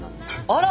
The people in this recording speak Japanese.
あら！